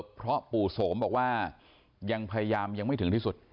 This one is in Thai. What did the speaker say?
เพราะปู่โสมบอกว่ายังพยายามยังไม่ถึงที่สุด